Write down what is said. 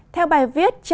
theo bài viết